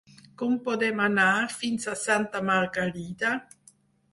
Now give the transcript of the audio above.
Com podem anar fins a Santa Margalida?